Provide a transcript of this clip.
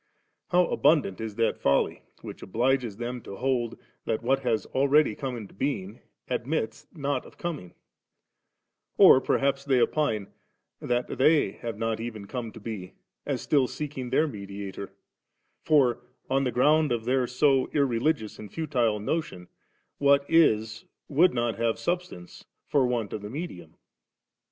How abimdant ii that folly, which obhges them to hold that what has already come into being, admits not of coming I Or perhaps they opine dial thev have not even come to be, as still seeking their mediator; for, on the ground of their so irreligious and futile notion s, what is would not have subsistence, for want of the medium.